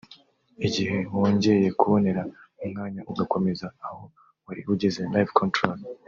igihe wongeye kubonera umwanya ugakomereza aho wari ugeze (live Control)